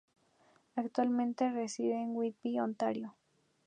Actualmente reside en Whitby, Ontario.